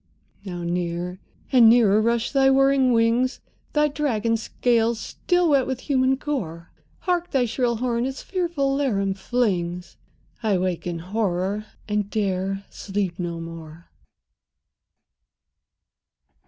Now near and nearer rush thy whirring wings, Thy dragon scales still wet with human gore. Hark, thy shrill horn its fearful laram flings! —I wake in horror, and 'dare sleep no more!